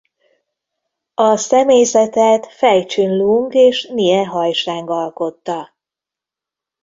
A személyzetet Fej Csün-lung és Nie Haj-seng alkotta.